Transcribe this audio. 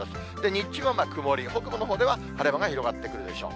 日中は曇り、北部のほうでは晴れ間が広がってくるでしょう。